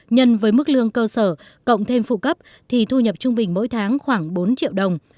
nhân với mức lương cơ sở cộng thêm phụ cấp thì thu nhập trung bình mỗi tháng khoảng bốn triệu đồng